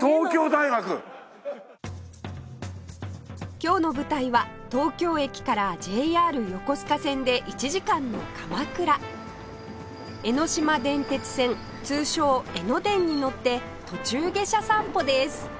今日の舞台は東京駅から ＪＲ 横須賀線で１時間の鎌倉江ノ島電鉄線通称江ノ電に乗って途中下車散歩です